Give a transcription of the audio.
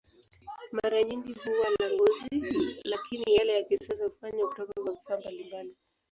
Mara nyingi huwa la ngozi, lakini yale ya kisasa hufanywa kutoka kwa vifaa mbalimbali.